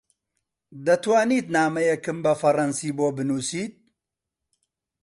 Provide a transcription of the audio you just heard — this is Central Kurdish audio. دەتوانیت نامەیەکم بە فەڕەنسی بۆ بنووسیت؟